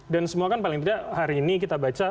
dan semua kan paling tidak hari ini kita baca